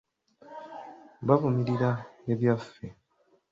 Bavumirira ebyaffe.